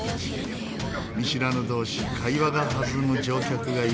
見知らぬ同士会話が弾む乗客がいました。